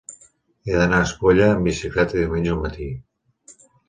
He d'anar a Espolla amb bicicleta diumenge al matí.